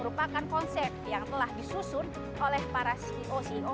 merupakan konsep yang telah disusun oleh para ceo ceo